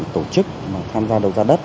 tổ chức mà tham gia đầu giá đất